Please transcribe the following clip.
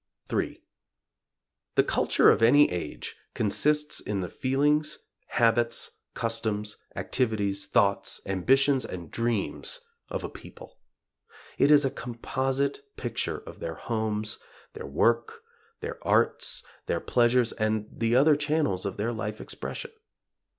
III. The culture of any age consists of the feelings, habits, customs, activities, thoughts, ambitions and dreams of a people. It is a composite picture of their homes, their work, their arts, their pleasures and the other channels of their life expression.